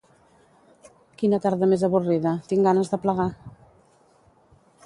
Quina tarda més avorrida, tinc ganes de plegar